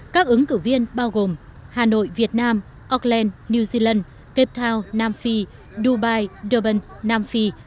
các ứng cử viên bao gồm hà nội việt nam auckland new zealand cape town nam phi dubai durban nam phi